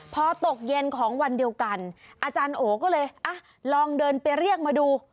พอตกเย็นของวันเดียวกันอาจารย์โอก็เลยลองเดินไปเรียกมาดู